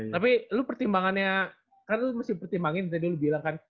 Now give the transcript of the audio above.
tapi lu pertimbangannya kan lu mesti pertimbangin tadi lu bilang kan